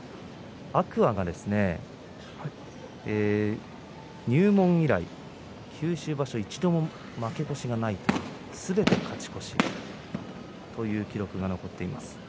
天空海が入門以来九州場所、一度も負け越しがないというすべて勝ち越しという記録が残っています。